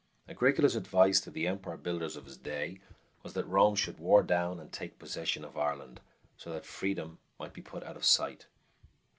Agricola's advice to the empire builders of his day was that Rome should "war down and take possession of Ireland, so that freedom might be put out of sight."